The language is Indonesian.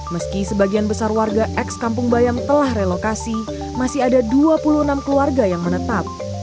meski sebagian besar warga ex kampung bayam telah relokasi masih ada dua puluh enam keluarga yang menetap